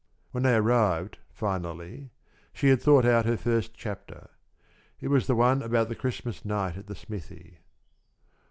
When they arrived finally, she had thought out her first chapter. It was the one about the Christmas night at the smithy.